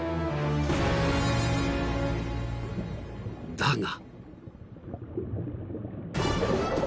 ［だが］